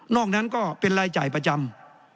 นั้นก็เป็นรายจ่ายประจำ